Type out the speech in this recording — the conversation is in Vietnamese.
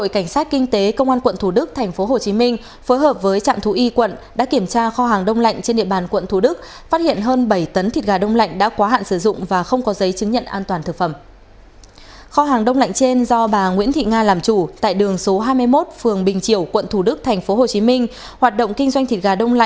các bạn hãy đăng ký kênh để ủng hộ kênh của chúng mình nhé